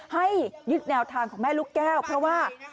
ให้ยึดแนวทางของแม่ลูกแก้วเพราะว่า